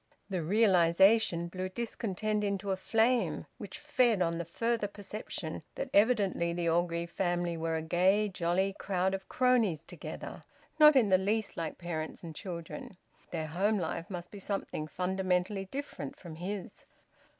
The realisation blew discontent into a flame, which fed on the further perception that evidently the Orgreave family were a gay, jolly crowd of cronies together, not in the least like parents and children; their home life must be something fundamentally different from his.